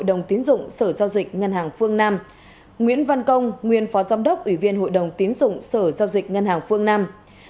ở ngân hàng phương nam